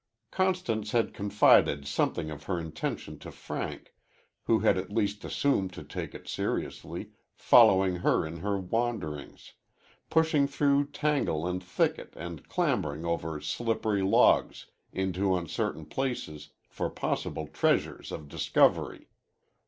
Constance had confided something of her intention to Frank, who had at least assumed to take it seriously, following her in her wanderings pushing through tangle and thicket and clambering over slippery logs into uncertain places for possible treasures of discovery.